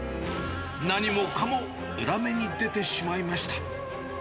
何もかも裏目に出てしまいました。